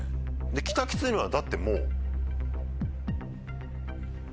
キタキツネはだってもう。